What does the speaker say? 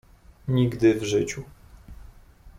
"Nigdy w życiu."